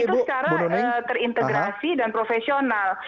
itu secara terintegrasi dan profesional